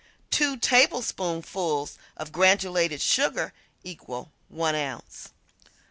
Two tablespoonfuls of granulated sugar equal 1 ounce.